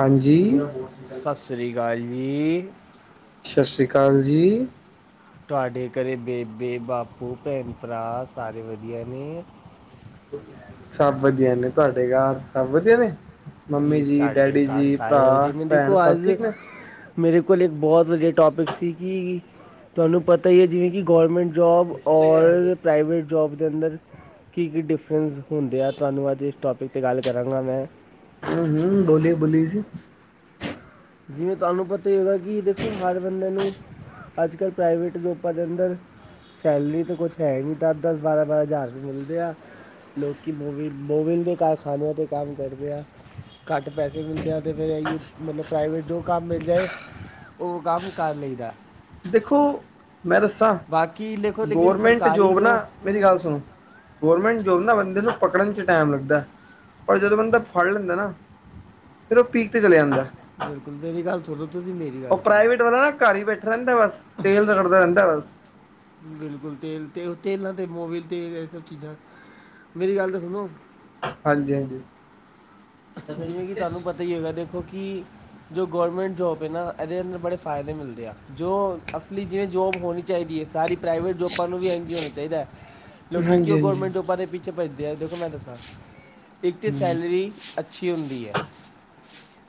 ਹਾਂਜੀ ਸੱਸਰੀ ਕਾਲ ਜੀ। ਛੱਸਰੀ ਕਾਲ ਜੀ। ਤੁਹਾਡੇ ਘਰੇ ਬੇਬੇ-ਬਾਪੂ ਭੈਣ-ਭਰਾ ਸਾਰੇ ਵਧੀਆ ਨੇ। ਸਭ ਵਧੀਆ ਨੇ ਤੁਹਾਡੇ ਗਾਰ ਸਭ ਵਧੀਆ ਨੇ। ਮੰਮੀ ਜੀ ਸਾਡੇ ਡੈਡੀ ਜੀ, ਘਰ ਸਾਰੇ ਭਰਾ, ਵਧੀਆ ਨੇ ਭੈਣ ਦੇਖੋ ਸਭ ਅੱਜ ਠੀਕ ਨੇ? ਮੇਰੇ ਕੋਲ ਇੱਕ ਬੋਤ ਵਧੀਆ ਟੋਪਿਕ ਸੀ ਕਿ ਤੁਆਨੂੰ ਪਤਾ ਐ ਜਿਵੇਂ ਕਿ ਗੌਰਮੈਂਟ ਜੋਬ ਔਰ ਪ੍ਰਾਈਵੇਟ ਜੋਬ ਦੇ ਅੰਦਰ ਕੀ-ਕੀ ਡਿਫਰੈਂਸ ਹੁੰਦੇ ਆ ਤੁਆਨੂੰ ਅੱਜ ਇਸ ਟੋਪਿਕ ਤੇ ਗੱਲ ਕਰਾਂਗਾ ਮੈਂ ਹੂੰ-ਹੂੰ ਬੋਲੀਏ-ਬੋਲੀਏ ਸੀ। ਜਿਵੇਂ ਤੁਆਨੂੰ ਪਤਾ ਈ ਹੋਗਾ ਕਿ ਦੇਖੋ ਹਰ ਬੰਦੇ ਨੂੰ ਅੱਜ-ਕੱਲ੍ਹ ਪ੍ਰਾਈਵੇਟ ਜੋਪਾਂ ਦੇ ਅੰਦਰ ਸੈਲਰੀ ਤਾਂ ਕੁਛ ਹੈ ਨੀ ਦਸ-ਦਸ ਬਾਰਾਂ-ਬਾਰਾਂ ਹਜ਼ਾਰ ਮਿਲਦੇ ਆ। ਲੋਕ ਮੋਵ ਮੋਵਿਲ ਦੇ ਕਾਰਖਾਨਿਆਂ ਤੇ ਕੰਮ ਕਰਦੇ ਆ ਘੱਟ ਪੈਸੇ ਮਿਲਦੇ ਆ। ਤੇ ਫਿਰ ਇਹੀਉ ਮਤਲਬ ਪ੍ਰਾਈਵੇਟ ਜੋ ਕੰਮ ਮਿਲ ਜਾਏ ਓ ਕੰਮ ਕਰ ਲਈ ਦਾ। ਦੇਖੋ ਮੈਂ ਦੱਸਾਂ ਬਾਕੀ ਦੇਖੋ ਲੇਕਿਨ ਗੌਰਮੈਂਟ ਸਰਕਾਰੀ ਜੋਬ ਨਾ ਜੋ ਮੇਰੀ ਗੱਲ ਸੁਣੋ ਗੌਰਮੈਂਟ ਜੋਬ ਨਾ ਬੰਦੇ ਨੂੰ ਪਕੜਨ 'ਚ ਟੈਮ ਲੱਗਦਾ। ਪਰ ਜਦੋਂ ਬੰਦਾ ਫੜ ਲੈਂਦਾ ਨਾ ਫਿਰ ਓ ਪੀਕ ਤੇ ਚਲਿਆ ਜਾਂਦਾ। ਬਿਲਕੁਲ ਮੇਰੀ ਗੱਲ ਸੁਣੋ ਤੁਸੀਂ ਮੇਰ ਓ ਪ੍ਰਾਈਵੇਟ ਵਾਲਾ ਨਾ ਘਰ ਈ ਬੈਠਾ ਰੈਂਦਾ ਬਸ ਤੇਲ ਰਗੜਦਾ ਰੈਂਦਾ ਬਸ ਬਿਲਕੁਲ ਤੇਲ ਤੇ ਓ ਤੇਲਾਂ ਤੇ ਮੋਵਲ ਤੇਲ ਏ ਸਭ ਚੀਜ਼ਾਂ ਮੇਰੀ ਗੱਲ ਤੇ ਸੁਣੋ ਹਾਂਜੀ-ਹਾਂਜੀ ਜਿਵੇਂ ਕਿ ਤਾਨੂੰ ਪਤਾ ਈ ਹੋਗਾ ਦੇਖੋ ਕਿ ਜੋ ਗੌਰਮੈਂਟ ਜੋਬ ਏ ਨਾ ਇਦੇ ਅੰਦਰ ਬੜੇ ਫਾਇਦੇ ਮਿਲਦੇ ਆ। ਜੋ ਅਸਲੀ ਜਿਵੇਂ ਜੋਬ ਹੋਣੀ ਚਾਈਦੀ ਏ। ਸਾਰੀ ਪ੍ਰਾਈਵੇਟ ਜੋਬਾਂ ਨੂੰ ਵੀ ਇਂਝ ਈ ਹੋਣਾ ਚਾਈਦੈ ਲੋਕੀ ਹਾਂਜੀ ਕਿਉਂ ਹਾਂਜੀ ਗੌਰਮੈਂਟ ਜੋਬਾਂ ਦੇ ਪ ਦੇ ਪਿਛੇ ਪਜਦੇ ਆ ਦੇਖੋ, ਮੈਂ ਦਸਦਾ ਇਥੇ ਹਮ ਸੈਲਰੀ ਅੱਛਾ ਕੀ ਹੁੰਦੀ ਏ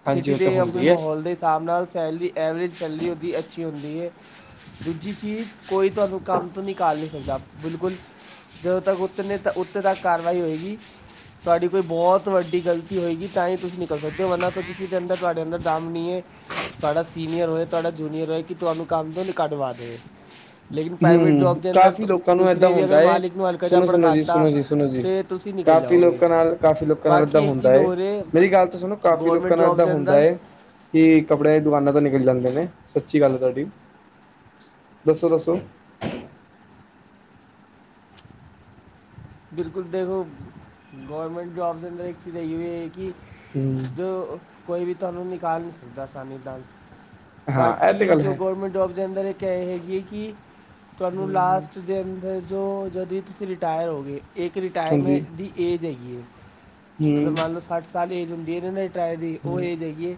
ਹਾਂਜੀ ਸੀਟੀ ਉਹ ਤਾਂ ਦੇ ਆਪਣੇ ਹੁੰਦੀ ਹੈ ਮਾਹੌਲ ਦੇ ਹਿਸਾਬ ਨਾਲ ਸੈਲਰੀ ਐਵਰੇਜ ਸੈਲਰੀ, ਓਦੀ ਅੱਛੀ ਹੁੰਦੀ ਏ। ਦੂਜੀ ਚੀਜ ਕੋਈ ਤੁਆਨੂੰ ਕੰਮ ਨੀਂ ਸਕਦਾ ਬਿਲਕੁਲ ਜਦੋਂ ਤੱਕ ਉੱਤੇ ਨੇ ਤਾਂ ਉੱਥੇ ਤੱਕ ਕਾਰਵਾਈ ਹੋਏਗੀ ਤੁਆਡੀ ਕੋਈ ਬੋਤ ਵੱਡੀ ਗਲਤੀ ਹੋਏਗੀ ਤਾਂ ਹੀ ਤੁਸੀਂ ਨਿਕਲ ਸਕਦੇ ਓ ਓਨਾ ਤੋਂ ਕਿਸੇ ਦੇ ਅੰਦਰ ਤੁਆਡੇ ਅੰਦਰ ਦਮ ਨੀਂਏ। ਤੁਆਡਾ ਸੀਨੀਅਰ ਹੋਏ, ਤੁਆਡਾ ਜੂਨੀਅਰ ਹੋਏ ਕਿ ਤੁਆਨੂੰ ਕੰਮ ਤੋਂ ਈਂ ਕੱਡਵਾਦੇ। ਹੂੰ, ਕਾਫੀ ਲੋਕਾਂ ਨੂੰ ਏਦਾਂ ਨੇ ਵੀ ਅਗਰ ਹੁੰਦਾ ਏ ਮਾਲਿਕ ਨੂੰ ਹਲਕਾ ਜਿਹਾ ਸੁਣੋ-ਸੁਣੋ ਜੀ- ਭੜਕਾਤਾ ਸੁਣੋ ਜੀ-ਸੁਣੋ ਜੀ। ਤੇ ਤੁਸੀਂ ਨਿਕਲ ਕਾਫੀ ਜਾਓਗੇ ਲੋਕਾਂ ਨਾਲ ਕਾਫੀ ਲੋਕਾਂ ਨਾਲ ਏਦਾਂ ਬਾਕੀ ਹੁੰਦੈ। ਇੱਕ ਹੁੰਦਾ ਚੀਜ਼ ਏ। ਹੋਰ ਹੈ ਮੇਰੀ ਗੱਲ ਤਾਂ ਸੁਣੋ ਕਾਫੀ ਗਵਰਨਮੈਂਟ ਲੋਕਾਂ ਨਾਲ ਜੌਬ ਏਦਾਂ ਦੇ ਹੁੰਦਾ ਅੰਦਰ ਏ ਕਿ ਕੱਪੜੇ ਦੁਕਾਨਾਂ ਤੋਂ ਨਿਕਲ ਜਾਂਦੇ ਨੇ ਸੱਚੀ ਗੱਲ ਏ, ਤਾਡੀ ਦੱਸੋ-ਦੱਸੋ ਬਿਲਕੁਲ ਦੇਖੋ, ਗੌਰਮੈਂਟ ਜੋਬ ਦੇ ਅੰਦਰ ਇੱਕ ਚੀਜ ਏ ਐਏ ਕਿ ਹੂੰ ਜੋ ਕੋਈ ਵੀ ਤੁਆਨੂੰ ਨਿਕਾਲ ਨੀਂ ਸਕਦਾ ਆਸਾਨੀ ਨਾਲ। ਹਾਂ ਇਹ ਤੇ ਬਾਕੀ ਗੱਲ ਜੋ ਹੈ ਗੌਰਮੈਂਟ ਜੋਬ ਦੇ ਅੰਦਰ ਐ ਹੈ ਕਿ ਤੁਆਨੂੰ ਹਮ ਲਾਸਟ ਦੇ ਅੰਦਰ ਜੋ ਜਦੋਂ ਤੁਸੀਂ ਰਿਟਾਇਰ ਹੋ ਗਏ, ਏਕ ਹਾਂਜੀ ਰਿਟਾਇਰਮੈਂਟ ਦੀ ਏਜ ਹੈਗੀ ਏ ਮਤਲਬ ਹਮ ਮੰਨ ਲਓ ਸੱਠ ਸਾਲ ਏਜ ਹੁੰਦੀ ਏ ਨਾ ਟਰਾਏ ਦੀ, ਓ ਹਮ ਏਜ ਹੈਗੀ ਏ।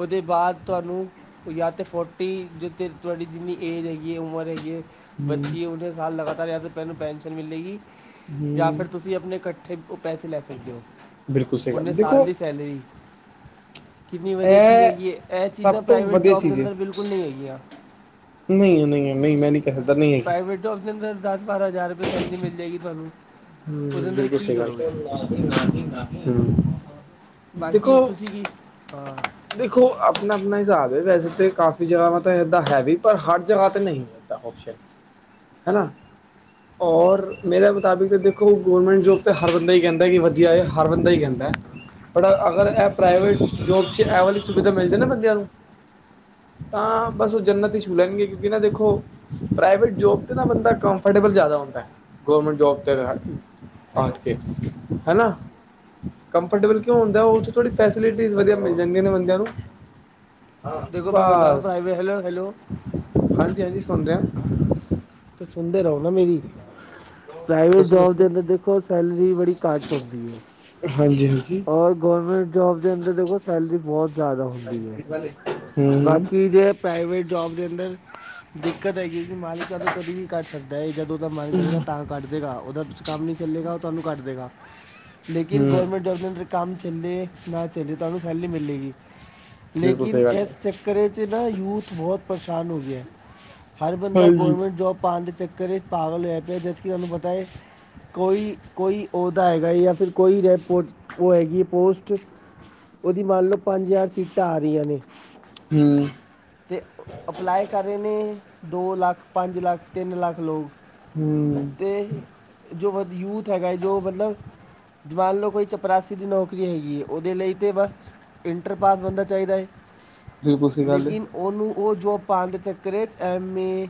ਓਦੇ ਬਾਅਦ ਤੁਆਨੂੰ ਯਾਂ ਤੇ ਫੋਰਟੀ ਜ ਤੁਆਡੀ ਜਿੰਨੀ ਏਜ ਹੈਗੀ ਏ ਉਮਰ ਹੈਗੀ ਏ ਹਮ ਬੱਚੀ ਓਨੇ ਸਾਲ ਲਗਾਤਾਰ ਏ ਪੈਨਸ਼ਨ ਮਿਲੇਗੀ ਯਾਂ ਹਮ ਫੇਰ ਤੁਸੀਂ ਅਪਨੇ ਕੱਠੇ ਓ ਪੈਸੇ ਲੈ ਸਕਦੇਓ। ਬਿਲਕੁਲ ਸਹੀ ਓਨੇ ਗੱਲ ਸਾਲ ਦੇਖੋ ਦੀ ਸੈਲਰੀ ਕਿੰਨੀ ਵਧੀਆ ਚੀਜ ਇਹ ਹੈਗੀਏ। ਐ ਚੀਜ਼ਾਂ ਸਭ ਤੋਂ ਪ੍ਰਾਈਵੇਟ ਵਧੀਆ ਜੋਬ ਦੇ ਅੰਦਰ ਬਿਲਕੁਲ ਨੀਂ ਹੈਗੀਆਂ। ਨਈਂ, ਨਈਂ-ਨਈਂ, ਮੈਂ ਨੀ ਪ੍ਰਾਈਵੇਟ ਜੋਬ ਦੇ ਅੰਦਰ ਦਸ-ਬਾਰਾਂ ਹਜ਼ਾਰ ਰੁਪਏ ਸੈਲਰੀ ਮਿਲ ਜਾਏਗੀ ਤੁਆਨੂੰ ਹੂੰ, ਬਿਲਕੁਲ ਸਈ ਗੱਲ, ਹੂੰ। ਬਾਕੀ ਤੁਸੀਂ ਕੀ, ਹਾਂ ਦੇਖੋ ਅਪਨਾ-ਅਪਨਾ ਹਿਸਾਬ ਏ ਵੈਸੇ ਤਾਂ ਕਾਫੀ ਜਗ੍ਹਾਵਾ ਤਾਂ ਇੱਦਾਂ ਹੈ ਵੀ ਪਰ ਹਰ ਜਗ੍ਹਾ ਤੇ ਨਈਂ। ਜਿਦਾਂ ਔਫਸ਼ਨ, ਹਨਾ। ਔਰ ਮੇਰੇ ਮੁਤਾਬਿਕ ਤਾਂ ਦੇਖੋ ਗੌਰਮੈਂਟ ਜੋਬ ਤਾਂ ਹਰ ਬੰਦਾ ਹੀ ਕੈਂਦਾ ਕਿ ਵਧੀਐ। ਹਰ ਬੰਦਾ ਈਂ ਕੈਂਦਾ ਪਰ, ਅਗਰ ਐ ਪ੍ਰਾਈਵੇਟ ਜੋਬ ਜੇ ਐ ਵਾਲੀ ਸੁਵਿਧਾ ਮਿਲ ਜਾਣ ਨਾਂ ਬੰਦਿਆਂ ਨੂੰ। ਤਾਂ ਬਸ, ਜੰਨਤ ਈ ਛੂਹ ਲੈਣਗੇ ਕਿਉਂਕਿ ਨਾ ਦੇਖੋ ਪ੍ਰਾਈਵੇਟ ਜੋਬ ਤੇ ਨਾ ਬੰਦਾ ਕੰਫਰਟੇਬਲ ਜਾਦਾ ਹੁੰਦੈ, ਗੌਰਰਮੈਂਟ ਜੋਬ ਤੇ ਨਾਲ ਹਾਜੀ ਹਨਾ, ਕੰਫਰਟੇਬਲ ਕਿਉਂ ਹੁੰਦਾ ਓਥੇ ਥੋੜੀ ਫੈਸਿਲਿਟੀ ਵਧੀਆ ਮਿਲ ਜਾਂਣਗੇ ਨਾ ਬੰਦਿਆਂ ਨੂੰ ਦੇਖੋ ਮੈਂ ਬਤਾਉਂ ਬਾਸ ਪ੍ਰਾਈਵੇਟ ਹੈਲੋ ਹੈਲੋ ਹਾਂਜੀ-ਹਾਂਜੀ ਸੁਣ ਰੇਆ। ਤੇ ਸੁਨਦੇ ਰਓ ਨਾਂ ਮੇਰੀ। ਪ੍ਰਾਈਵੇਟ ਦੱਸੋ ਜੋਬ ਦੇ ਦੱਸੋ ਅੰਦਰ ਦੇਖੋ, ਸੈਲਰੀ ਬੜੀ ਘੱਟ ਹੁੰਦੀਐ। ਹਾਂਜੀ-ਹਾਂਜੀ। ਔਰ ਗੌਰਮੈਂਟ ਜੋਬ ਅੰਦਰ ਦੇਖੋ, ਸੈਲਰੀ ਬੋਤ ਜਾਦਾ ਹੁੰਦੀਐ। ਹੂੰ ਹੂੰ ਬਾਕੀ ਜੇ ਪ੍ਰਾਈਵੇਟ ਜੋਬ ਦੇ ਅੰਦਰ ਦਿੱਕਤ ਹੈਗੀ ਕਿ ਮਾਲਿਕ ਸਾਨੂੰ ਕਦੇ ਵੀ ਕੱਢ ਸਕਦੈ ਜਦੋਂ ਓਦਾ ਮਨ ਕਰੇਗਾ ਤਾ ਕੱਢਦੇਗਾ, ਓਦਾ ਕੰਮ ਨੀ ਚੱਲੇਗਾ ਓ ਤੁਆਨੂੰ ਕੱਢ ਦੇਗਾ। ਲੇਕਿਨ ਹੂੰ ਗੌਰਮੈਂਟ ਜੋਬ ਦੇ ਅੰਡਰ ਕੰਮ ਚੱਲੇ ਨਾ ਚੱਲੇ ਤੁਹਾਨੂੰ ਸੈਲਰੀ ਮਿਲੇਗੀ। ਬਿਲਕੁਲ ਲੇਕਿਨ ਸਹੀ ਗੱਲ ਐਸ ਹੈ ਚੱਕਰ ਚ ਨਾ ਯੂਥ ਬੋਹਤ ਪਰਸ਼ਾਨ ਹੋ ਗੇਆ ਏ। ਹਰ ਬੰਦਾ ਹਾਂਜੀ ਗੌਰਮੈਂਟ ਜੋਬ ਪਾਣ ਦੇ ਚੱਕਰ ਇੱਚ ਪਾਗਲ ਹੋਏਆ ਪੇਆ, ਜਦਕਿ ਤੁਹਾਨੂੰ ਪਤਾ ਐ ਕੋਈ, ਕੋਈ ਉਹਦਾ ਹੈਗਾ ਹੈ ਯਾ ਫਿਰ ਕੋਈ ਰੈਪੋ। ਉਹ ਹੈਗੀ ਏ ਪੋਸਟ, ਉਹਦੀ ਮੰਨ ਲਓ ਪੰਜ ਹਜ਼ਾਰ ਸੀਟਾਂ ਆ ਰਈਆਂ ਨੇ। ਹਮ। ਤੇ ਅਪਲਾਏ ਕਰ ਰਏ ਨੇ ਦੋ ਲੱਖ, ਪਾਂਜ ਲੱਖ, ਤਿੰਨ ਲੱਖ, ਲੋਕ। ਹਮ। ਤੇ ਜੋ ਵਦ ਯੂਥ ਹੈਗਾ ਜੋ ਮਤਲਬ, ਜਵਾਨ ਲਓ ਕੋਈ ਚੱ ਪਰਾਸੀ ਦੀ ਨੌਕਰੀ ਹੈਗੀ ਐ, ਉਹਦੇ ਲਈ ਤੇ ਬਸ ਇੰਟਰ ਪਾਸ ਬੰਦਾ ਚਾਈਦਾ ਐ। ਬਿਲਕੁਲ ਸਹੀ ਗੱਲ ਹੈ ਲੇਕਿਨ ਉਹਨੂੰ ਉਹ ਜੋਬ ਪਾਣ ਦੇ ਚੱਕਰ ਇੱਚ M A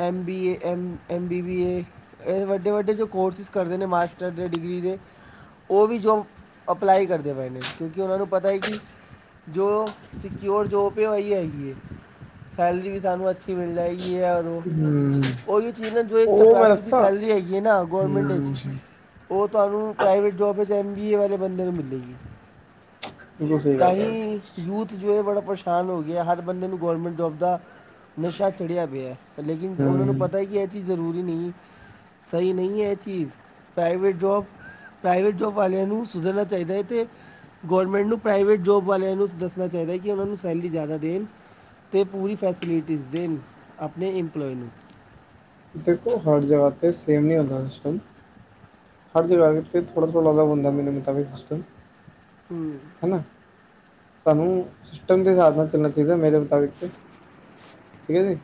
M B A, M, M B B A ਏਹ ਵੱਡੇ-ਵੱਡੇ ਜੋ ਕੋਰਸਿਸ ਕਰਦੇ ਨੇ ਮਾਸਟਰ ਦੇ ਡਿਗਰੀ ਦੇ ਉਹ ਵੀ ਜੋਬ ਅਪਲਾਈ ਕਰਦੇ ਪਏ ਨੇ, ਕਿਉਂਕਿ ਉਹਨਾਂ ਨੂੰ ਪਤਾ ਹੈ ਕਿ ਜੋ ਸਕਿਓਰ ਜੋਬ ਐ ਉਹ ਏਹੀ ਹੈਗੀ ਏ, ਸੈਲਰੀ ਸਾਨੂੰ ਅੱਛ ਕਿ ਮਿਲ ਜਾਏਗੀ ਐ ਉਹਨੂੰ ਹੂੰ ਉਹੀ ਚੀਜ਼ ਨੇ ਜੋ ਏਕ ਉਹ ਮੈਂ ਚਪਰਾਸੀ ਦੀ ਦੱਸਾਂ ਸੈਲਰੀ ਹੈਗੀ ਹੈ ਨਾ ਗੌਰਮੈਂਟ ਇੱਚ ਹੂੰ ਉਹ ਤੁਹਾਨੂੰ ਪ੍ਰਾਈਵੇਟ ਜੋਬ ਵਿੱਚ ਐੱਮ ਬੀ ਏ ਵਾਲੇ ਬੰਦੇ ਨੂੰ ਮਿਲੇਗੀ। ਬਿਲਕੁਲ ਸਹੀ ਗੱਲ ਹੈ ਤਾਂਹੀ। ਯੂਥ ਜੋ ਏ ਬੜਾ ਪਰੇਸ਼ਾਨ ਹੋ ਗੇਆ, ਹਰ ਬੰਦੇ ਨੂੰ ਗੌਰਮੈਂਟ ਜੋਬ ਦਾ ਨਸ਼ਾ ਚੜ੍ਹੇਆ ਪੇਆ ਏ। ਲੇਕਿਨ ਉਹਨਾਂ ਨੂੰ ਹੂੰ ਪਤਾ ਏ ਕਿ ਏਹ ਏਹ ਚੀਜ਼ ਜ਼ਰੂਰੀ ਨਈ, ਸਈ ਨਹੀਂ ਐ ਏਹ ਚੀਜ਼, ਪ੍ਰਾਈਵੇਟ ਜੋਬ ਪ੍ਰਾਈਵੇਟ ਜੋਬ ਵਾਲੇਆਂ ਨੂੰ ਸੁਧਰਨਾ ਚਾਈਦਾ ਏ ਤੇ ਗੋਰਮੈਂਟ ਨੂੰ ਪ੍ਰਾਏਵੇਟ ਜੋਬ ਵਾਲੇਆਂ ਨੂੰ ਦੱਸਣਾ ਚਾਈਦਾ ਏ ਕਿ ਉਹਨਾਂ ਨੂੰ ਸੈਲਰੀ ਜ਼ਾਦਾ ਦੇਣ। ਤੇ ਪੂਰੀ ਫੈਸਿਲਿਟੀਜ਼ ਦੇਣ ਆਪਣੇ ਇੰਪਲੋਏ ਨੂੰ। ਦੇਖੋ ਹਰ ਜਗ੍ਹਾ ਤੇ ਸੇਮ ਨਈ ਹੁੰਦਾ ਸਿਸਟਮ। ਹਰ ਜਗ੍ਹਾ ਤੇ ਥੋੜ੍ਹਾ-ਥੋੜ੍ਹਾ ਅਲੱਗ ਹੁੰਦਾ ਐ ਮੇਨੇ ਮੁਤਾਬਿਕ ਸਿਸਟਮ। ਹਮ। ਹਨਾ? ਸਾਨੂੰ ਸਿਸਟਮ ਦੇ ਸਾਬ ਨਾਲ ਚੱਲਣਾ ਚਾਈਦਾ ਏ ਮੇਰੇ ਮੁਤਾਬਿਕ ਤੇ। ਠੀਕ ਹੈ ਜੀ?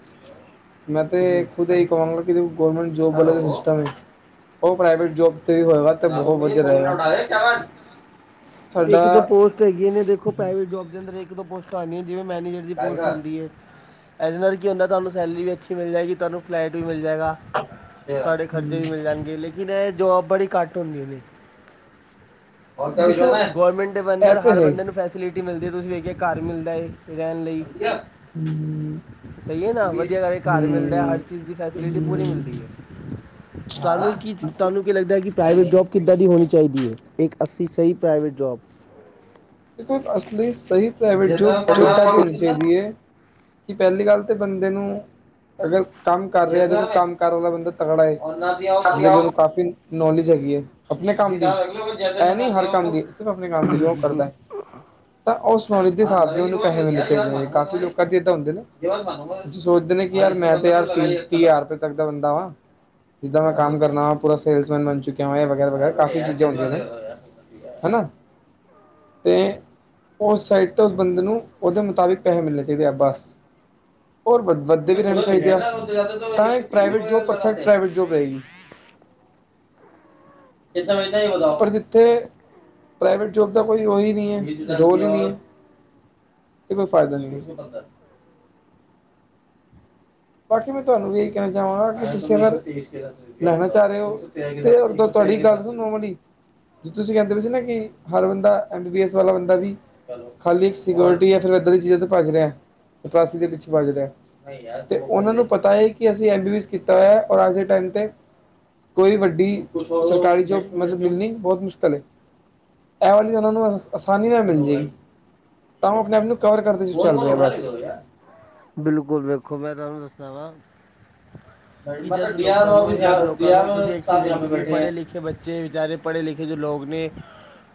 ਮੈਂ ਤੇ ਖੁਦ ਏਹ ਈ ਕਵਾਂਗਾ ਕਿ ਦੇਖੋ ਗੌਰਮੈਂਟ ਜੋਬ ਵਾਲਾ ਸਿਸਟਮ ਐ, ਉਹ ਪ੍ਰਾਈਵੇਟ ਜੋਬ [unintelligible] ਵਤ ਬੋਹੋ ਵਧੀਆ ਰਹੇਗਾ। ਇੱਕ ਦੋ ਸਾਡਾ ਪੋਸ ਹੈਗੀਆਂ ਨੇ ਦੇਖੋ ਪ੍ਰਾਈਵੇਟ ਜੋਬ ਦੇ ਅੰਦਰ ਇੱਕ ਦੋ ਪੋਸਟਾਂ ਆਇਆਂ ਨੇ ਜਿਵੇਂ ਮੈਨੇਜਰ ਦੀ ਹੂੰ ਪੋਸਟ ਹੁੰਦੀ ਏ। ਏਹਦੇ ਨਾਲ ਕੀ ਹੁੰਦਾ ਏ ਤੁਹਾਨੂੰ ਸੈਲਰੀ ਵੀ ਅੱਛੀ ਮਿਲ ਜਾਏਗੀ। ਤੁਹਾਨੂੰ ਫਲੈਟ ਵੀ ਮਿਲ ਜਾਏਗਾ। ਤੁਹਾਡੇ ਖ਼ਰਚੇ ਵੀ ਮਿਲ ਜਾਣਗੇ, ਲੇਕਿਨ ਏਹ ਜੋਬ ਬੜੀ ਘੱਟ ਹੁੰਦੀ ਨੇ। [unintelligible] ਗੌਰਮੈਂਟ ਦੇ ਇਹ ਵੰਦਰ ਤੇ ਹਰ ਹੈ ਹੀ। ਬੰਦੇ ਨੂੰ ਫੈਸਿਲਿਟੀ ਮਿਲਦੀ ਏ ਤੁਸੀਂ ਵੇਖਿਆ ਕਾਰ ਮਿਲਦਾ ਏ। ਰੇਹਣ ਲਈ, ਹੂੰ ਸਈ ਏ ਨਾ ਹੂੰ ਹੂੰ ਵਧੀਆ ਨਾਲੇ ਕਾਰ ਮਿਲਦਾ ਏ ਹ ਰ ਚੀਜ਼ ਦੀ ਫੈਸਿਲਿਟੀ ਪੂਰੀ ਮਿਲਦੀ ਏ। ਹਾਂ। ਤੁਆਨੂੰ ਕੀ, ਤੁਆਨੂੰ ਕੀ ਲੱਗਦਾ ਏ ਕਿ ਪ੍ਰਾਈਵੇਟ ਜੋਬ ਕਿੱਦਾਂ ਦੀ ਹੋਣੀ ਚਾਈਦੀ ਏ? ਏਕ ਅੱਸੀ ਸਈ ਪ੍ਰਾਈਵੇਟ ਜੋਬ। ਦੇਖੋ ਅਸਲੀ ਸਈ ਪ੍ਰਾਈਵੇਟ ਜੋਬ ਇਦਾਂ ਦੀ ਹੋਣੀ ਚਾਈਦੀ ਏ ਕਿ ਪੈਲੀ ਗੱਲ ਤੇ ਬੰਦੇ ਨੂੰ ਅਗਰ ਕੰਮ ਕਰ ਰੇਆ ਏ ਤੇ ਕੰਮ ਕਾਰ ਵਾਲਾ ਬੰਦਾ ਤੱਗੜਾ ਏ। [unintelligible] ਉਹਨੂੰ ਕਾਫੀ ਨੌਲੇਜ ਹੈਗੀ ਏ ਆਪਣੇ ਕੰਮ ਦੀ, ਹੈ ਨੀ ਹਰ ਕੰਮ ਦੀ ਸਿਰ ਆਪਣੇ ਕੰਮ ਦੀ ਜੋਬ ਕਰਦਾ ਏ। ਤਾਂ ਉਸ ਨੌਲੇਜ ਦੇ ਹਿਸਾਬ ਦੇ ਉਹਨੂੰ ਪੈਸੇ ਮਿਲਦੇ ਨੇ ਕਾਫੀ ਲੋਕਾਂ ਚ ਏਦਾਂ ਹੁੰਦੇ ਨੇ। ਸੋਚਦੇ ਨੇ ਯਾਰ ਮੈਂ ਤੇ ਯਾਰ ਤੀਹ, ਤੀਹ ਹਜ਼ਾਰ ਤੱਕ ਦਾ ਬੰਦਾ ਵਾਂ। ਜਿੱਦਾਂ ਮੈਂ ਕੰਮ ਕਰਨਾ ਵਾਂ, ਪੂਰਾ ਸੇਲਸਮੈਨ ਬਣ ਚੁੱਕਿਆ ਵਾ, ਇਹ ਵਗੈਰਾ- ਵਗੈਰਾ ਕਾਫ਼ੀ ਚੀਜ਼ਾਂ ਹੁੰਦੀਆਂ ਨੇ। ਹਨਾ ਅਤੇ ਉਹ ਸਾਈਡ 'ਤੋਂ ਉਸ ਬੰਦੇ ਨੂੰ ਉਦੇ ਮੁਤਾਬਿਕ ਪੈਸੇ ਮਿਲਣੇ ਚਾਹੀਦੇ ਆ, ਬਸ ਹੋਰ ਵੱਧਦੇ ਵੀ ਰਹਿਣੇ ਚਾਹੀਦੇ ਆ, ਤਾਂ ਈ ਪ੍ਰਾਈਵੇਟ ਜੋਬ ਪ੍ਰਾਈਵੇਟ ਜੋਬ ਰਹੇਗੀ। [unintelligible] ਪਰ‌ ਜਿੱਥੇ ਪ੍ਰਾਈਵੇਟ ਜੋਬ ਦਾ ਕੋਈ ਉਹੀ ਨਹੀਂ ਐ, ਜੋਰ ਈ ਨੀ ਐ। ਤੇ ਕੋਈ ਫਾਇਦਾ ਨਹੀਂ ਏ। ਬਾਕੀ ਮੈਂ ਤੁਹਾਨੂੰ ਵੇਖ ਕੇ ਜਾਂ [unintelligible] ਲੈਣਾ ਚਾਹ ਰਹੇ ਹੋ ਤੇ ਤੁਹਾਡੀ ਗੱਲ ਸੁਣੋ ਮੜੀ ਜੀ ਤੁਸੀਂ ਕਰਦੇ ਪਾਏ ਸੀ ਕਿ ਹਰ ਬੰਦਾ ਐਮ ਬੀ ਵੇਸ ਵਾਲਾ ਬੰਦਾ ਵੀ ਖਾਲੀ ਸਿਵਲਟੀ ਐ ਫਿਰ ਇੱਧਰ ਦੀ ਚੀਜ਼ਾਂ ਤੇ ਭੱਜ ਰਿਹਾ, ਚਪਰਾਸੀ ਦੇ ਪਿੱਛੇ ਭੱਜ ਰਿਹਾ। ਤੇ ਉਹਨਾਂ ਨੂੰ ਪਤਾ ਏ ਕਿ ਅਸੀਂ ਐ ਬੀ ਬੀ ਐਸ ਕੀਤਾ ਹੋਇਆ, ਉਰ ਅੱਜ ਦੇ ਟਾਇੰਮ ਤੇ ਕੋਈ ਵੱਡੀ ਸਰਕਾਰੀ ਜੋਬ ਮਤਲਬ ਮਿਲਣੀ ਬਹੁਤ ਮੁਸ਼ਕਿਲ ਏ। ਇਹ ਵਾਲੀ ਉਹਨਾਂ ਨੂੰ ਆਸਾਨੀ ਨਾ ਮਿਲ ਜੇ ਗੀ। ਤਾਂ ਉਹ ਆਪਣੇ-ਆਪ ਨੂੰ ਕਵਰ ਕਰਦੇ ਚੱਲ ਰਿਹੇ ਆ ਬਸ ਬਿਲਕੁਲ ਵੇਖੋ ਮੈਂ ਤੁਹਾਨੂੰ ਦੱਸਿਆ ਵਾਂ। ਕਿ ਜਦ ਲੋਕਾਂ ਨੂੰ, ਜਦ ਲੋਕਾਂ ਨੂੰ ਤੁਸੀਂ ਇੱਕ ਚੀਜ਼ ਦੇਖਿਓ ਕਿ ਪੜ੍ਹੇ- ਲਿਖੇ ਬੱਚੇ ਵਿਚਾਰੇ। ਪੜ੍ਹੇ ਲਿਖੇ ਜੋ ਲੋਕ ਨੇ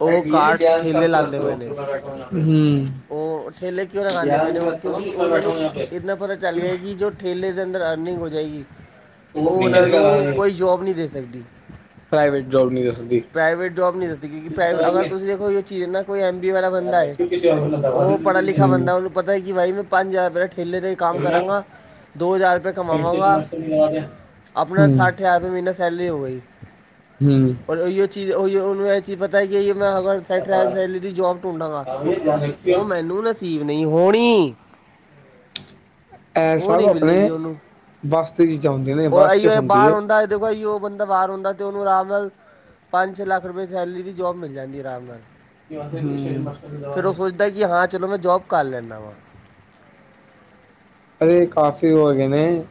ਉਹ ਕਾਰਟਸ ਠੇਲੇ ਲਾਉਂਦੇ ਪਏ ਨੇ ਹਮ ਉਹ ਠੇਲੇ ਕਿਉਂ ਨਾ ਲਗਾਂਦੇ ਪਏ ਨੇ ਕਿਉਂਕਿ ਉਹਨਾਂ ਨੂੰ ਇਤਨਾ ਪਤਾ ਚੱਲ ਗਿਆ ਕਿ ਜੋ ਠੇਲੇ ਦੇ ਅੰਦਰ ਅਰਨਿੰਗ ਹੋ ਜਾਏਗੀ। ਉਹ ਉਹਨਾਂ ਨੂੰ ਕੋਈ ਜੋਬ ਨੀਂ ਦੇ ਸਕਦੀ। ਪ੍ਰਾਈਵੇਟ ਜੋਬ ਨੀਂ ਦੇ ਸਕਦੀ। ਪ੍ਰਾਈਵੇਟ ਜੋਬ ਨੀਂ ਦਿੱਤੀ ਗਈ ਡੀ ਪ੍ਰਾ ਅਗਰ ਤੁਸੀਂ ਦੇਖੋ ਇਹ ਚੀਜ਼ ਇਹਨ- ਕੋਈ ਐਮ ਬੀਏ ਵਾਲਾ ਬੰਦਾ ਏ, ਉਹ ਪੜ੍ਹਾ- ਲਿਖਾ ਬੰਦਾ ਉਹਨੂੰ ਪਤਾ ਏ ਕਿ ਭਾਈ ਮੈਂ ਪੰਜ ਹਜ਼ਾਰ ਰੁਪਇਆ ਠੇਲੇ ਦਾ ਈ। ਕੰਮ ਕਰਾਂਗਾ, ਦੋ ਹਜ਼ਾਰ ਰੁਪਏ ਕਮਾਵਾਂਗਾ, ਆਪਣਾ ਸਾਠ ਹਜ਼ਾਰ। ਮਹੀਨਾ ਸੈਲਰੀ ਹੋਵੇ ਗੀ। ਹਮ ਔਰ ਉਹਹੀਓ ਚੀਜ਼, ਉਹਹੀਉ ਉਹਨੂੰ ਇਹ ਚੀਜ਼ ਪਤਾ ਹੈ ਕਿ ਮੈਂ ਅਗਰ [unintelligible] ਦੀ ਜੋਬ ਟੂੰਡਾ ਹਾਂ ਵੀ ਧਿਆਨ ਰੱਖਿਓ ਉਹ ਮੈਨੂੰ ਨਸੀਬ ਨਹੀਂ ਹੋਣੀ। ਉਹ ਨਹੀਂ ਮਿਲੇਗੀ ਉਹਨੂੰ ਬਸ ਤੇ ਵੀ ਜਾਂਦੇ ਨੇ। ਉਹ ਵਾਸ ਚ ਆਈਓ ਇਹ ਹੁੰਦੀ ਬਾਹਰ ਹੈ ਹੁੰਦਾ ਐ, ਦੇਖੋ ਆ ਉਹ ਬੰਦਾ ਬਾਹਰ ਹੁੰਦਾ ਤੇ ਉਹਨੂੰ ਆਰਾਮ ਨਾਲ ਪੰਜ ਛੇ ਲੱਖ ਰੁਪਏ ਸੈਲਰੀ ਦੀ ਜੋਬ ਮਿਲ ਜਾਂਦੀ ਆਰਾਮ ਨਾਲ। ਫਿਰ ਉਹ [inaudible] ਸੋਚਦਾ ਕਿ ਹਾਂ ਚਲੋ ਮੈਂ ਜੋਬ ਕਰ ਲੈਂਦਾ ਵਾਂ। ਅਰੇ ਕਾਫੀ ਉਹ ਹੈਗੇ ਨੇ,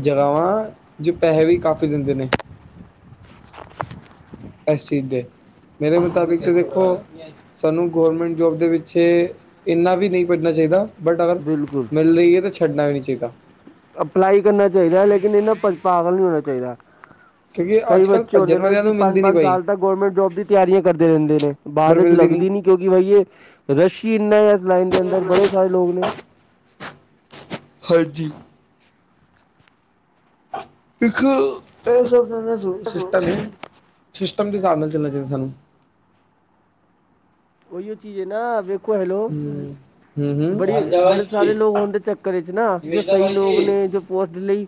ਜਗ੍ਹਾਵਾਂ ਜੋ ਪੈਸੇ ਵੀ ਕਾਫੀ ਦਿੰਦੇ ਨੇ। [inaudible] ਇਸ ਚੀਜ਼ ਦੇ, ਮੇਰੇ ਮੁਤਾਬਿਕ ਦੇਖੋ। ਸਾਨੂੰ ਗੌਰਮੈਂਟ ਜੋਬ ਦੇ ਪਿੱਛੇ ਇੰਨਾ ਵੀ ਨਹੀਂ ਭੱਜਣਾ ਚਾਹੀਦਾ। ਬਟ ਅਗਰ ਬਿਲਕੁਲ ਮਿਲ ਰਹੀ ਐ ਤੇ ਛੱਡਣਾ ਵੀ ਨਹੀਂ ਚਾਹੀਦਾ। ਅਪਲਾਈ ਕਰਨਾ ਚਾਹੀਦਾ ਲੇਕਿਨ ਇਹਨਾਂ ਪ ਪਾਗਲ ਨਹੀਂ ਹੋਣਾ ਚਾਹੀਦਾ ਠੀਕ ਹੈ ਕਈ ਬੱਚੇ ਹੁੰਦੇ ਨੇ ਕਿ ਪੰਜ ਪੰਜ ਸਾਲ ਤਾ ਗੌਰਮੈਂਟ ਜੋਬ ਦੀ ਤਿਆਰੀਆਂ ਕਰਦੇ ਰਹਿੰਦੇ ਨੇ ਪਰ ਬਾਅਦ ਵਿੱਚ ਮਿਲਦੀ ਨਹੀਂ ਲੱਗਦੀ ਨੀ ਕਿਉਂਕਿ ਬਈ ਏ ਰਸ਼ ਹੀ ਇੰਨਾ ਹੈ ਇਸ ਲਾਈਨ ਦੇ ਅੰਦਰ ਬੜੇ ਸਾਰੇ ਲੋਗ ਨੇ ਹਾਂਜੀ ਇੱਕ ਇਹ ਸਾਡਾ ਨਾ ਸਿ ਸਿਸਟਮ ਐ ਸਿਸਟਮ ਦੇ ਹਿਸਾਬ ਨਾਲ ਚੱਲਣਾ ਚਾਹੀਦਾ ਸਾਨੂੰ ਉਹੀਓ ਚੀਜ਼ ਹੈ ਨਾ [unintelligible] ਉਹ ਹੈਲੋ ਹਮ ਹਮ ਹਮ ਬੜੀ ਬੜੇ ਸਾਰੇ ਲੋਗ ਹੋਂਣ ਦੇ ਚੱਕਰ ਇੱਚ ਨਾ ਜੋ ਸਹੀ ਲੋਗ ਨੇ ਜੋ [unintelligible] ਲਈ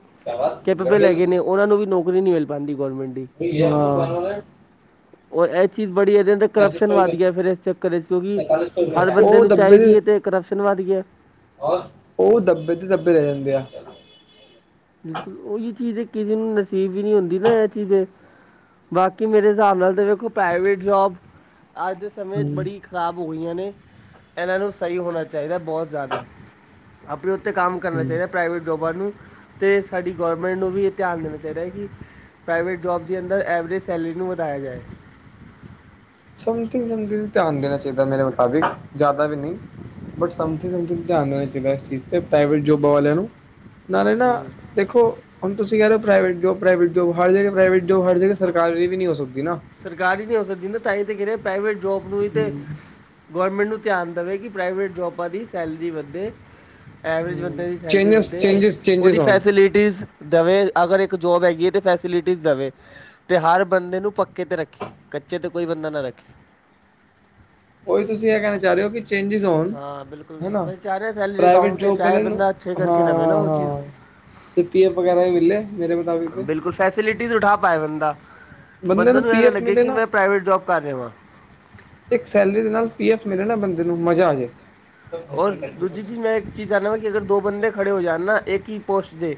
ਕੈਪੇਬਲ ਹੈਗੇ ਨੇ [unintelligible] ਉਹਨਾਂ ਨੂੰ ਵੀ ਨੌਕਰੀ ਨਹੀਂ ਮਿਲ ਪਾਂਦੀ ਗੌਰਮੈਂਟ ਦੀ [unintelligible] ਔਰ ਇਹ ਚੀਜ਼ ਬੜੀ ਇਹਦੇ ਅੰਦਰ ਪੈਂਤੀ ਕਰਪਸ਼ਨ ਸੌ ਵੱਧ ਰੁਪਏ ਗਿਆ ਫਿਰ ਇਸ ਚੱਕਰ ਇੱਚ ਕਿਉਂਕਿ ਸੈਂਤਾਲੀ ਸੌ ਰੁਪਏ ਹਰ ਹੈ ਬੰਦੇ ਉਹ ਨੂੰ ਦੱਬੇ ਦੇ ਚਾਹੀਦੀ ਹੈ ਤੇ ਕਰਪਸ਼ਨ ਵੱਧ ਗਿਆ ਉਹ ਦੱਬੇ ਤੇ ਦੱਬੇ ਰਹਿ ਜਾਂਦੇ ਆ ਬਿਲਕੁਲ ਉਹੀ ਚੀਜ਼ ਏ ਕਿਸੇ ਨੂੰ ਨਸੀਬ ਵੀ ਨਹੀ ਹੁੰਦੀ ਨਾ ਇਹ ਚੀਜ਼ ਐ ਬਾਕੀ ਮੇਰੇ ਹਿਸਾਬ ਨਾਲ ਤੇ ਵੇਖੋ ਪ੍ਰਾਈਵੇਟ ਜੋਬ ਅੱਜ ਦੇ ਸਮੇਂ ਚ ਹਮ ਬੜੀ ਖ਼ਰਾਬ ਹੋ ਰਹੀਆਂ ਨੇ ਇਹਨਾਂ ਨੂੰ ਸਹੀ ਹੋਣਾ ਚਾਹੀਦਾ ਬਹੁਤ ਜ਼ਿਆਦਾ ਆਪਣੇ ਉੱਤੇ ਕੰਮ ਕਰਨਾ ਹਮ ਚਾਹੀਦਾ ਪ੍ਰਾਈਵੇਟ ਜੋੋਬਾਂ ਨੂੰ ਤੇ ਸਾਡੀ ਗੌਰਮੈਂਟ ਨੂੰ ਵੀ ਇਹ ਧਿਆਨ ਦੇਣਾ ਚਾਹੀਦਾ ਹੈ ਕਿ ਪ੍ਰਾਈਵੇਟ ਜੋਬ ਦੀ ਅੰਦਰ ਐਵਰੇਜ ਸੈਲਰੀ ਨੂੰ ਵਧਾਇਆ ਜਾਏ‌ ਸਮਥਿੰਗ ਸਮਗਲਿੰਗ ਧਿਆਨ ਦੇਣਾ ਚਾਹੀਦਾ ਮੇਰੇ ਮੁਤਾਬਿਕ ਜ਼ਿਆਦਾ ਵੀ ਨਹੀਂ ਬਟ ਸਮਖਿੰਗ ਸਮਖਿੰਗ ਧਿਆਨ ਦੇਣਾ ਚਾਹੀਦਾ ਇਸ ਚੀਜ਼ ਤੇ ਪ੍ਰਾਈਵੇਟ ਜੋਬਾਂ ਵਾਲਿਆਂ ਨੂੰ ਨਾਲੇ ਨਾ ਦੇਖੋ ਹੁਣ ਤੁਸੀਂ ਕਹਿ ਰਹੇ ਹੋ ਪ੍ਰਾਈਵੇਟ ਜੋਬ ਪ੍ਰਾਈਵੇਟ ਜੋਬ ਹਰ ਜਗ੍ਹਾ ਪ੍ਰਾਈਵੇਟ ਜੋਬ ਹਰ ਜਗ੍ਹਾ ਸਰਕਾਰੀ ਵੀ ਨਹੀਂ ਹੋ ਸਕਦੀ ਨਾ ਸਰਕਾਰੀ ਨੀ ਹੋ ਸਕਦੀ ਨਾ ਤਾਂ ਹੀ ਤੇ ਕਹਿ ਰਿਹਾਂ ਪ੍ਰਾਈਵੇਟ ਜੋਬ ਨੂੰ ਹੀ ਤੇ ਹਮ ਗੌਰਮੈਂਟ ਨੂੰ ਧਿਆਨ ਦੇਵੇ ਕਿ ਪ੍ਰਾਈਵੇਟ ਜੋਬਾਂ ਦੀ ਸੈਲਰੀ ਵਧੇ ਐਵਰੇਜ ਬੰਦੇ ਚੇਂਜਸ ਦੀ ਸੈਲਰੀ ਚੇਂਜਿਸ ਵਧੇ ਚੇਂਜਿਸ ਚੇਂਜਿਸ ਉਹਦੀ ਹੋਣ ਫੈਸਿਲਿਟੀਜ਼ ਦਵੇ ਅਗਰ ਇੱਕ ਜੋਬ ਹੈਗੀ ਹੈ ਤੇ ਫੈਸਿਲਿਟੀਜ਼ ਦਵੇ ਤੇ ਹਰ ਬੰਦੇ ਨੂੰ ਪਕ ਕੇ ਤੇ ਰੱਖੇ ਕੱਚੇ ਤੇ ਕੋਈ ਬੰਦਾ ਨਾ ਰੱਖੇ ਉਹੀ ਤੁਸੀਂ ਏਹ ਕਹਿਣਾ ਚਾਹ ਰਹੇ ਹੋ ਕਿ ਚੇਂਜਿਸ ਹੋਣ ਹਾਂ ਬਿਲਕੁਲ ਹਨਾ ਮੈਂ ਚਾਹ ਰਿਹਾ ਸੈਲਰੀ ਪ੍ਰਾਈਵੇਟ ਅਕਾਊਂਟ ਤੇ ਜੌਬ ਚਾਹੇ ਵਾਲਿਆਂ ਨੂੰ ਬੰਦਾ ਅੱਛੇ ਹਾਂ ਕਰਕੇ ਰਵੇ ਨਾ ਉਹ ਚੀਜ਼ ਹਾਂ [unintelligible] ਵਗੈਰਾ ਮਿਲੇ ਮੇਰੇ ਮੁਤਾਬਿਕ ਤੇ ਬਿਲਕੁਲ ਫੈਸਿਲਿਟੀਜ਼ ਉਠਾ ਪਾਏ ਬੰਦਾ ਬੰਦੇ ਨੂੰ ਐ ਨਾ ਲੱਗੇ ਕਿ ਮੈਂ ਪ੍ਰਾਈਵੇਟ ਜੋਬ ਕਰ ਰਿਹਾ ਵਾਂ ਇੱਕ ਸੈਲਰੀ ਦੇ ਨਾਲ ਪੀ ਐਫ ਮਿਲੇ ਨਾ ਬੰਦੇ ਨੂੰ ਮਜ਼ਾ ਆ ਜਾਏ ਔਰ ਦੂਜੀ ਚੀਜ਼ ਮੈਂ ਇੱਕ ਚੀਜ਼ ਚਾਹੁੰਦਾ ਵਾਂ ਕਿ ਅਗਰ ਦੋ ਬੰਦੇ ਹੂੰ ਖੜੇ ਹੋ ਜਾਣ ਨਾ ਇੱਕ ਹੀ ਪੋਸਟ ਦੇ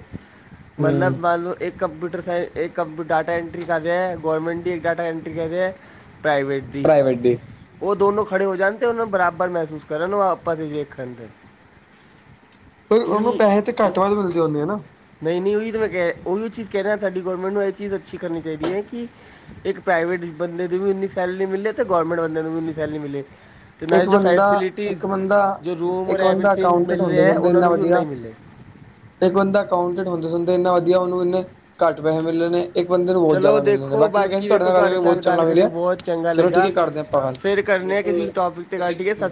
ਮਤਲਬ ਮੰਨ ਲਉ ਇੱਕ ਕੰਮਪਿਊਟਰ ਸਾਇੰਸ [unintelligible] ਡਾਟਾ ਐਂਟਰੀ ਕਰ ਰਿਹਾ ਏ ਗੌਰਮੈਂਟ ਵੀ ਇੱਕ ਡਾਟਾ ਐਟਰੀ ਕਰ ਰਿਹਾ ਹੈ ਪ੍ਰਾਈਵੇਟ ਦੀ ਉਹ ਦੋਨੋ ਖੜੇ ਹੋ ਜਾਣ ਤੇ ਉਹਨੂੰ ਬਰਾਬਰ ਮਹਿਸੂਸ ਕਰਨ ਉਹ ਆਪ [unintelligible] ਫਿਰ ਉਹਨੂੰ ਪੈੇਹੇ ਤੇ ਇਨੀ ਘੱਟ ਵੱਧ ਮਿਲਦੇ ਹੁੰਦੇ ਆ ਨਾ ਨਹੀਂ ਨਹੀਂ ਉਹੀ ਤਾਂ ਮੈਂ ਕਹਿ ਉਹੀਉ ਚੀਜ਼ ਕਹਿ ਰਿਹਾ ਸਾਡੀ ਗੌਰਮੈਂਟ ਨੂੰ ਇਹ ਚੀਜ਼ ਅੱਛੀ ਕਰਨੀ ਚਾਹੀਦੀ ਹੈ ਕਿ ਇੱਕ ਪ੍ਰਾਈਵੇਟ ਬੰਦੇ ਦੀ ਵੀ ਉਨੀ ਸੈਲਰੀ ਮਿਲੇ ਤੇ ਗੌਰਮੈਂਟ ਬੰਦੇ ਨੂੰ ਵੀ ਉਨੀ ਸੈਲਰੀ ਮਿਲੇ ਇੱਕ [unintelligible] ਜੋ ਬੰਦਾ ਫੈਸਿਲਿਟੀਜ਼ ਇੱਕ ਬੰਦਾ ਜੋ ਰੂਮ ਔਰ ਇੱਕ ਬੰਦਾ ਐਵਰੀਥਿੰਗ ਅਕਾਊਂਟੈਂਟ ਮਿਲ ਹੁੰਦੇ ਰਿਹਾ ਸੁਣਦੇ ਉਹਨਾਂ ਇੰਨਾ ਨੂੰ ਵੀ ਉਨਾ ਵਧੀਆ ਹੀ ਮਿਲੇ ਇੱਕ ਬੰਦਾ ਅਕਾਊਂਟਡ ਹੁੰਦੇ ਸੁਦੇ ਇੰਨਾ ਵਧੀਆ ਉਹਨੂੰ ਇੰਨੇ ਘੱਟ ਪੈਸੇ ਮਿਲੇ ਨੇ ਇੱਕ ਬੰਦੇ ਨੂੰ ਬਹੁਤ ਚਲੋ ਜ਼ਿਆਦਾ ਮਿਲ ਰਹੇ ਨੇ ਦੇਖੋ ਬਾਕੀ ਮੈਂ ਕਿਹਾ ਸੀ। ਤੁਹਾਡੇ ਵੇਖੋ ਨਾਲ ਗੱਲ ਕਰਕੇ ਬਹੁਤ ਚੰਗਾ ਗੱਲ ਕਰਕੇ ਲੱਗਿਆ ਬਹੁਤ ਚੰਗਾ ਚਲੋ ਠੀਕ ਲੱਗਾ ਹੈ ਕਰਦੇ ਹਾਂ, ਆਪਾਂ ਗੱਲ ਫਿਰ ਕਰਨੇ ਹਾਂ, ਕਿਸੇ ਟੋਪਿਕ 'ਤੇ ਗੱਲ ਠੀਕ ਹੈ ਸਤਿ ਸ